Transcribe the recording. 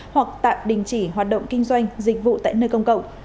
hoặc tạm đình chỉ hoạt động kinh doanh dịch vụ tại nơi công cộng